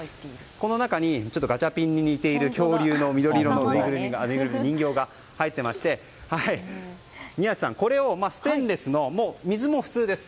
この中にガチャピンに似ている恐竜の緑色の人形が入っていましてこれをステンレスの水も普通です。